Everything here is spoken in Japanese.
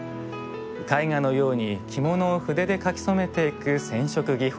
絵画のように着物を筆で描き染めていく染色技法。